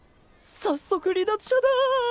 早速離脱者だ！